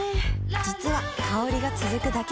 実は香りが続くだけじゃない